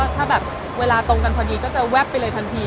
ถ้าแบบเวลาตรงกันพอดีก็จะแวบไปเลยทันที